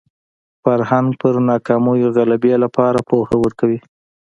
فرهنګ پر ناکامیو غلبې لپاره پوهه ورکوي